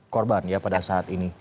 korban ya pada saat ini